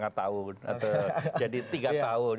atau jadi tiga tahun